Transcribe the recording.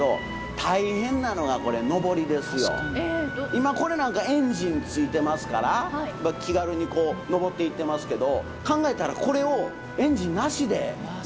今これなんかエンジン付いてますから気軽にこう上っていってますけど考えたらこれをエンジンなしで昔行ってたわけですからね。